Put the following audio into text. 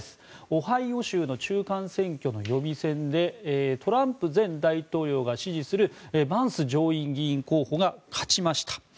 オハイオ州の中間選挙の予備選でトランプ前大統領が支持するバンス上院議員候補が勝ちました。